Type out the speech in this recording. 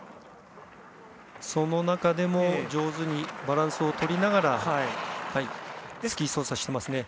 その中でも上手にバランスを取りながらスキーを操作しています。